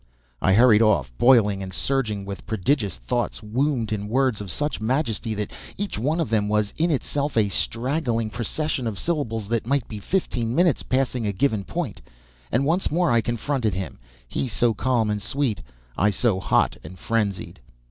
I hurried off, boiling and surging with prodigious thoughts wombed in words of such majesty that each one of them was in itself a straggling procession of syllables that might be fifteen minutes passing a given point, and once more I confronted him he so calm and sweet, I so hot and frenzied.